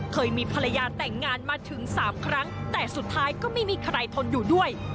เคยมีภรรยาแต่งงานมาถึง๓ครั้งแต่สุดท้ายก็ไม่มีใครทนอยู่ด้วย